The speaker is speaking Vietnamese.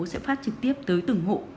sẽ phát trực tiếp tới từng hộ